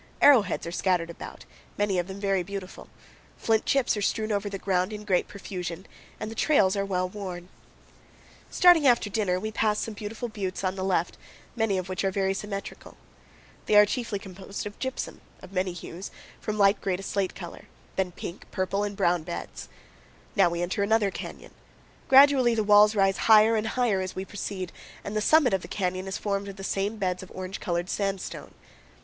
Arrowheads are scattered about, many of them very beautiful; flint chips are strewn over the ground in great profusion, and the trails are well worn. Starting after dinner, we pass some beautiful buttes on the left, many powell canyons 133.jpg GUNNISON BUTTE. GRAY CANYON (2,700 FEET HIGH). 200 CANYONS OF THE COLORADO. of which are very symmetrical. They are chiefly composed of gypsum, of many hues, from light gray to slate color; then pink, purple, and brown beds. Now we enter another canyon. Gradually the walls rise higher and higher as we proceed, and the summit of the canyon is formed of the same beds of orange colored sandstone.